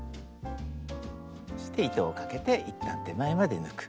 そして糸をかけて一旦手前まで抜く。